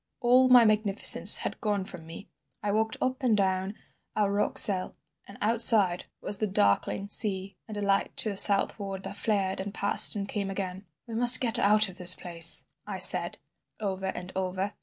"All my magnificence had gone from me. I walked up and down our rock cell, and outside was the darkling sea and a light to the southward that flared and passed and came again. "'We must get out of this place,' I said over and over.